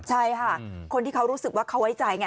ใช่ค่ะคนที่เขารู้สึกว่าเขาไว้ใจไง